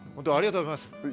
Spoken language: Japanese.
ありがとうございます。